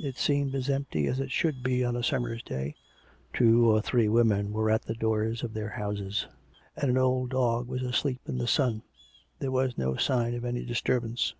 It seemed as empty as it should be on a summer's day; two or three women were at the doors of their houses, and an old dog was asleep in the sun. There was no sign of any disturb ance.